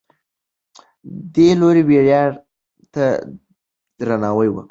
دې لوی ویاړ ته درناوی وکړه.